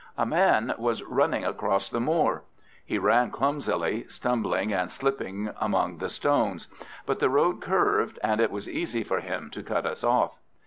A man was running across the moor. He ran clumsily, stumbling and slipping among the stones; but the road curved, and it was easy for him to cut us off.